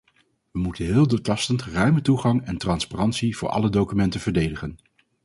We moeten heel doortastend ruime toegang en transparantie voor alle documenten verdedigen.